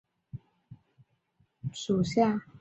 漏芦为菊科漏芦属下的一个种。